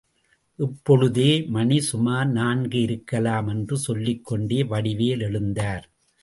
இப்பொழுதே மணி சுமார் நான்கு இருக்கலாம் என்று சொல்லிக்கொண்டே வடிவேல் எழுந்தார்.